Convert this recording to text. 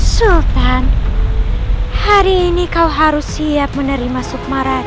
sultan hari ini kau harus siap menerima sukmaran